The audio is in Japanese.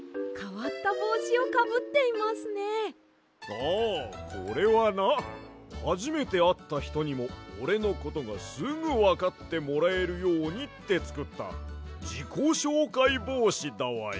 ああこれはなはじめてあったひとにもおれのことがすぐわかってもらえるようにってつくったじこしょうかいぼうしだわや。